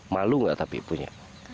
malu gak tapi punya